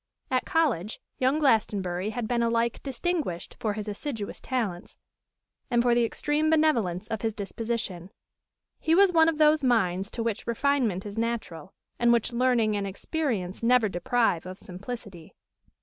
At college young Glastonbury had been alike distinguished for his assiduous talents and for the extreme benevolence of his disposition. His was one of those minds to which refinement is natural, and which learning and experience never deprive of simplicity.